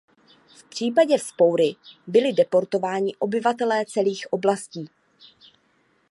V Případě vzpoury byli deportováni obyvatelé celých oblastí.